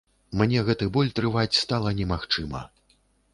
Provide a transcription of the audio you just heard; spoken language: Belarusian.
Мне гэты боль трываць стала немагчыма.